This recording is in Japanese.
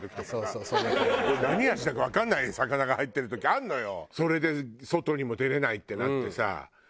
何味だかわからない魚が入ってる時あるのよ。